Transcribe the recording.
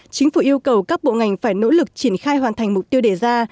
chính phủ yêu cầu các bộ ngành phải nỗ lực triển khai hoàn thành mục tiêu đề ra